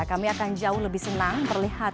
kami akan jauh lebih senang terlihat